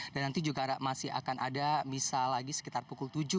dan nanti juga masih akan ada misah lagi sekitar pukul tujuh